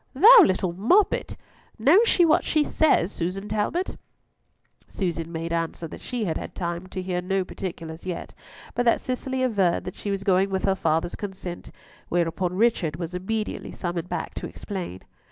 Thou little moppet! Knows she what she says, Susan Talbot?" Susan made answer that she had had time to hear no particulars yet, but that Cicely averred that she was going with her father's consent, whereupon Richard was immediately summoned back to explain.